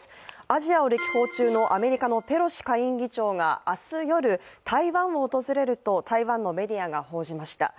アジアを歴訪中のアメリカのペロシ下院議長が明日夜、台湾を訪れると台湾のメディアが報じました。